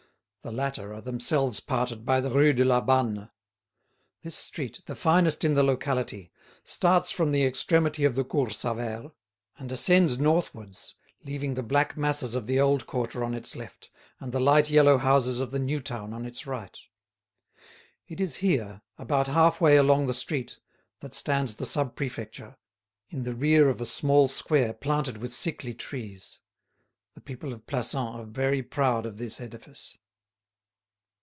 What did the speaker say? The latter are themselves parted by the Rue de la Banne. This street, the finest in the locality, starts from the extremity of the Cours Sauvaire, and ascends northwards, leaving the black masses of the old quarter on its left, and the light yellow houses of the new town on its right. It is here, about half way along the street, that stands the Sub Prefecture, in the rear of a small square planted with sickly trees; the people of Plassans are very proud of this edifice.